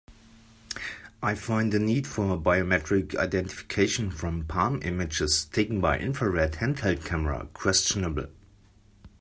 I find the need for biometric identification from palm images taken by infrared handheld camera questionable.